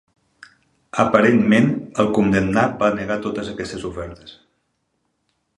Aparentment, el condemnat va negar totes aquestes ofertes.